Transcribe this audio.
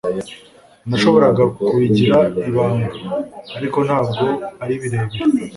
Nashoboraga kubigira ibanga, ariko ntabwo ari birebire.